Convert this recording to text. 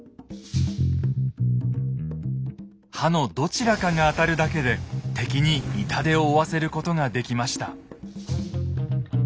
刃のどちらかが当たるだけで敵に痛手を負わせることができました。